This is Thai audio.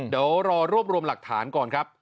เดี๋ยวรอรวบรวมหลักฐานก่อนครับ